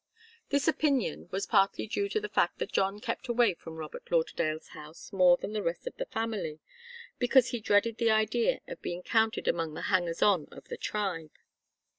This opinion was partly due to the fact that John kept away from Robert Lauderdale's house more than the rest of the family, because he dreaded the idea of being counted among the hangers on of the tribe.